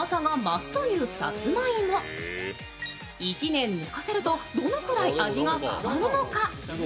１年寝かせるとどのくらい味が変わるのか。